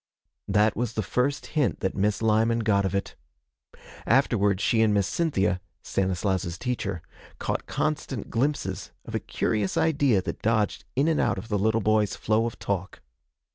That was the first hint that Miss Lyman got of it. Afterwards she and Miss Cynthia Stanislaus's teacher caught constant glimpses of a curious idea that dodged in and out of the little boy's flow of talk.